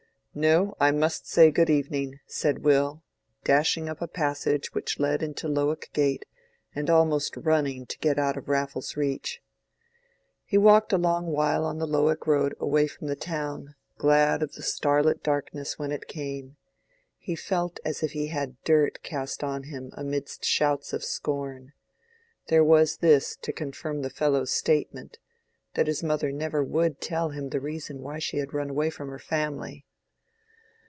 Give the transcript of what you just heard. "No, I must say good evening," said Will, dashing up a passage which led into Lowick Gate, and almost running to get out of Raffles's reach. He walked a long while on the Lowick road away from the town, glad of the starlit darkness when it came. He felt as if he had had dirt cast on him amidst shouts of scorn. There was this to confirm the fellow's statement—that his mother never would tell him the reason why she had run away from her family.